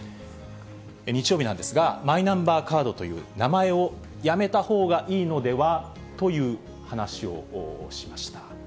日曜日なんですが、マイナンバーカードという名前をやめたほうがいいのではという話をしました。